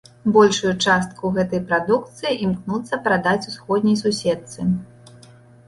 Большую частку гэтай прадукцыі імкнуцца прадаць усходняй суседцы.